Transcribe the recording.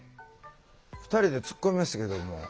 ２人でツッコみましたけども。